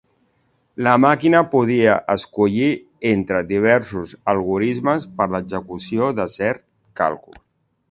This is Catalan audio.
La màquina podia escollir entre diversos algorismes per a l'execució de cert càlcul.